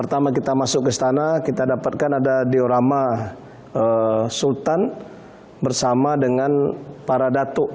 pertama kita masuk ke istana kita dapatkan ada diorama sultan bersama dengan para datuk